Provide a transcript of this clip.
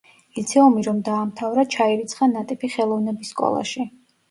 ლიცეუმი რომ დაამთავრა ჩაირიცხა „ნატიფი ხელოვნების სკოლაში“.